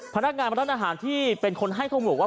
พนักงานบรรดาอาหารที่เป็นคนให้เขาบอกว่า